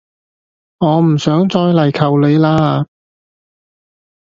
我唔想再嚟求你喇